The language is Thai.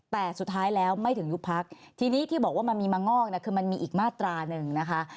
แต่สุดท้ายแล้วไม่ถึงยุบพักทีนี้ที่บอกว่ามันมีมางอกเนี่ยคือมันมีอีกมาตราหนึ่งนะคะ